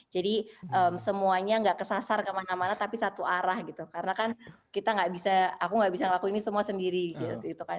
jadi semuanya gak kesasar kemana mana tapi satu arah gitu karena kan kita gak bisa aku gak bisa ngelakuin ini semua sendiri gitu kan